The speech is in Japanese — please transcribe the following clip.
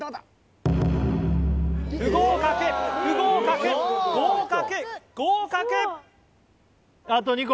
不合格不合格合格合格あと２個！